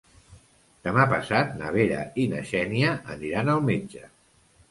Demà passat na Vera i na Xènia aniran al metge.